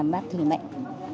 bác thủy mạnh